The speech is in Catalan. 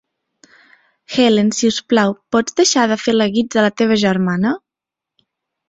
Helen, si us plau, pots deixar de fer la guitza a la teva germana?